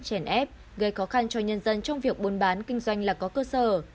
chèn ép gây khó khăn cho nhân dân trong việc buôn bán kinh doanh là có cơ sở